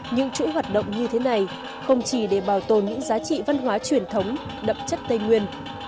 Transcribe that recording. những chuỗi hoạt động như thế này không chỉ để bảo tồn những giá trị văn hóa truyền thống đậm chất tây nguyên